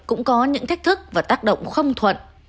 cũng có những thách thức và tác động không thuận